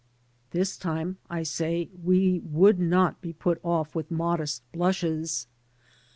This time, I say, we would not be put off with modest blushes.